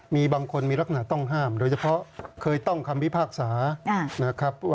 มีบางคนมีลักษณะต้องห้ามโดยเฉพาะเคยต้องคำพิพากษานะครับ